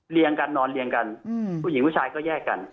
กันนอนเรียงกันผู้หญิงผู้ชายก็แยกกัน